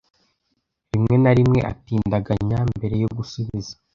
Rimwe na rimwe atindiganya mbere yo gusubiza.